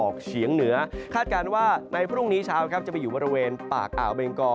คาดการณ์ว่าในพรุ่งนี้เช้าจะไปอยู่บริเวณปากอ่าวเบงกอ